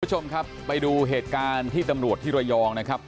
คุณผู้ชมครับไปดูเหตุการณ์ที่ตำรวจที่ระยองนะครับ